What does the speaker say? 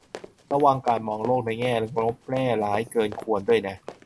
ระวังการมองโลกในแง่ลบแง่ร้ายเกินควรด้วยนะ